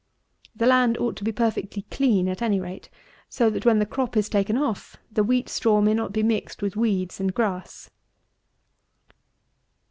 The land ought to be perfectly clean, at any rate; so that, when the crop is taken off, the wheat straw may not be mixed with weeds and grass.